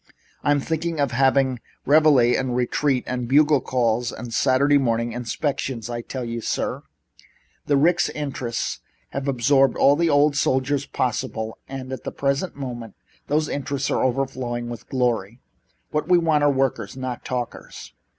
"I'm thinking of having reveille and retreat and bugle calls and Saturday morning inspections. I tell you, sir, the Ricks interests have absorbed all the old soldiers possible and at the present moment those interests are overflowing with glory. What we want are workers, not talkers.